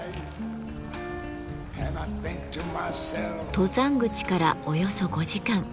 登山口からおよそ５時間。